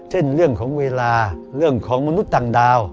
เช่นเรื่องของเวลาเรื่องของมนุษย์ต่างดาว